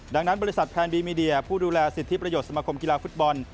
ดังนั้นบริษัทแพลนบีมีเดียผู้ดูแลสิทธิประโยชนสมาคมกีฬาฟุตบอล